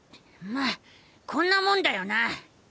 まっこんなもんだよな。